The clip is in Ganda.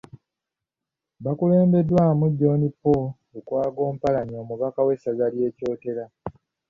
Baakulembeddwamu John Paul Lukwago Mpalanyi omubaka w’essaza ly’e Kyotera .